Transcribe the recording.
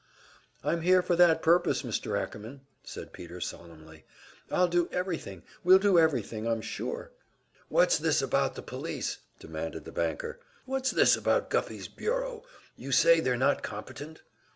"I'm here for that purpose, Mr. Ackerman," said Peter, solemnly. "I'll do everything. We'll do everything, I'm sure." "What's this about the police?" demanded the banker. "What's this about Guffey's bureau? You say they're not competent?"